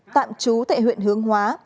tạm chú thệ huyện hướng hóa